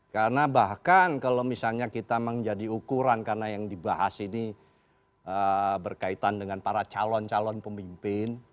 karena bahkan kalau misalnya kita menjadi ukuran karena yang dibahas ini berkaitan dengan para calon calon pemimpin